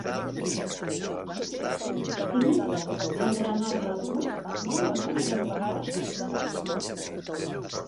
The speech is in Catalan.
Dimecres en Renat August vol anar a Blancafort.